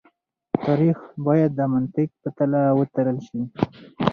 تاريخ بايد د منطق په تله وتلل شي.